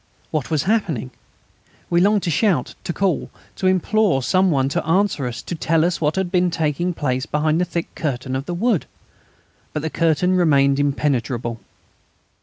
What was happening? We longed to shout, to call, to implore some one to answer us, to tell us what had been taking place behind the thick curtain of the wood. But the curtain remained impenetrable.